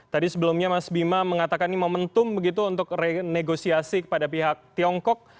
tadi sebelumnya mas bima mengatakan ini momentum begitu untuk renegosiasi kepada pihak tiongkok